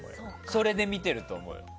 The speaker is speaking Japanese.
それで見てると思うよ。